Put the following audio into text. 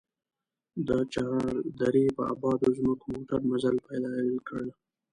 د چار درې په ابادو ځمکو موټر مزل پيل کړ.